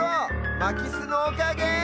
まきすのおかげ！